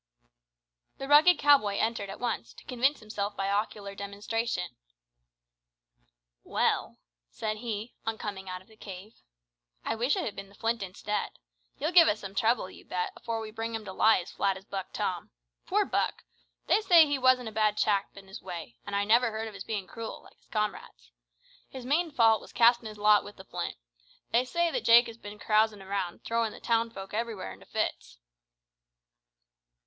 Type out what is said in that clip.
The rugged cow boy entered at once, to convince himself by ocular demonstration. "Well," said he, on coming out of the cave, "I wish it had been the Flint instead. He'll give us some trouble, you bet, afore we bring him to lie as flat as Buck Tom. Poor Buck! They say he wasn't a bad chap in his way, an' I never heard of his bein' cruel, like his comrades. His main fault was castin' in his lot wi' the Flint. They say that Jake has bin carousin' around, throwin' the town folk everywhere into fits."